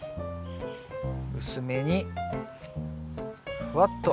薄めにふわっと。